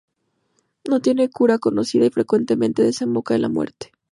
No tiene cura conocida, y frecuentemente desemboca en la muerte.